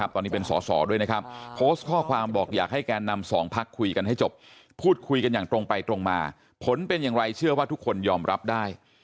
แต่ยังไงเชื่อว่าทุกคนยอมรับได้